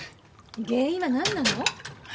原因はなんなの？